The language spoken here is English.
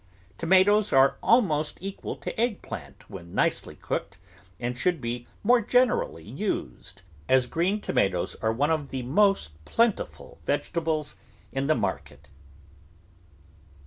Tomatoes are almost equal to egg plant when nicely cooked, and should be more generally used, as green tomatoes are one of the most plentiful vegetables in the market.